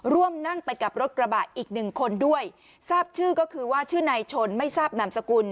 ร่วมนั่งไปกับรถกระบะอีกหนึ่งคนด้วยทราบชื่อก็คือว่าชื่อนายชนไม่ทราบนามสกุล